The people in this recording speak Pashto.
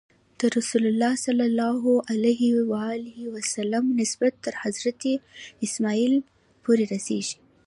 د رسول الله نسب تر حضرت اسماعیل پورې رسېږي.